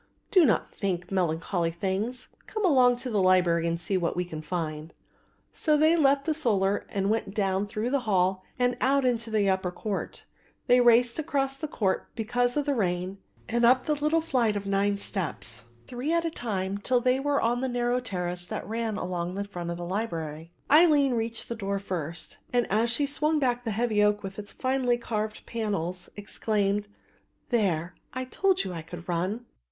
"Do not think melancholy things; come along to the library and see what we can find." So they left the solar and went down through the hall and out into the upper court. They raced across the court, because of the rain, and up the little flight of nine steps, three at a time, till they were on the narrow terrace that ran along the front of the library. Aline reached the door first, and, as she swung back the heavy oak with its finely carved panels, exclaimed: "There, I told you I could run."